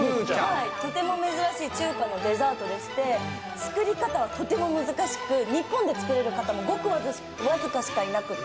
とても珍しい中華のデザートでして作り方はとても難しく、日本で作れる方もごく僅かしかいなくて。